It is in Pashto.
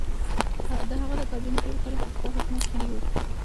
د هغه د کابینې ډېر غړي د پخوا حکومت غړي وو.